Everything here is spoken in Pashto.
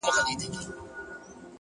پوه انسان د حقیقت له موندلو خوند اخلي.!